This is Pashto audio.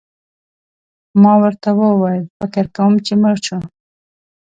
ما ورته وویل: فکر کوم چي مړ شو.